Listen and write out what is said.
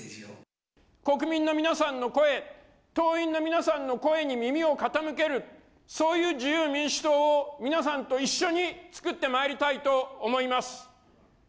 国民の皆さんの声、党員の皆さんの声に耳を傾ける、そういう自由民主党を皆さんと一緒に作ってまいりたいと思います。